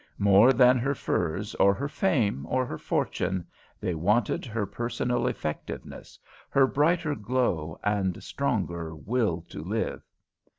More than her furs or her fame or her fortune, they wanted her personal effectiveness, her brighter glow and stronger will to live.